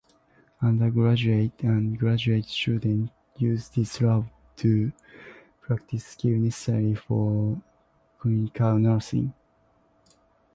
Undergraduate and graduate students use this lab to practice skills necessary for clinical nursing.